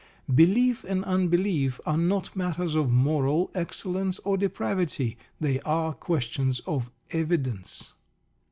Belief and unbelief are not matters of moral excellence or depravity: they are questions of evidence.